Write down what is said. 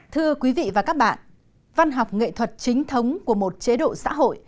thưa quý vị và các bạn văn học nghệ thuật chính thống của một chế độ xã hội